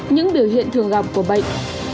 những biểu hiện thường gặp của bệnh